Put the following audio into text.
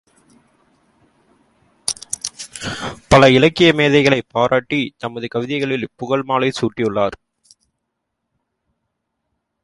பல இலக்கிய மேதைகளைப் பாராட்டித் தமது கவிதைகளில் புகழ்மாலை சூட்டியுள்ளார்.